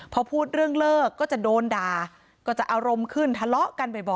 พอพูดเรื่องเลิกก็จะโดนด่า